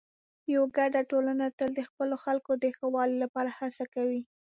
یوه ګډه ټولنه تل د خپلو خلکو د ښه والي لپاره هڅه کوي.